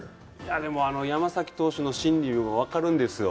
でも、あの山崎投手の心理は分かるんですよ。